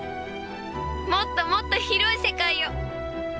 もっともっと広い世界を。